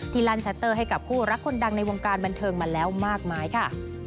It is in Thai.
ลั่นชัตเตอร์ให้กับคู่รักคนดังในวงการบันเทิงมาแล้วมากมายค่ะ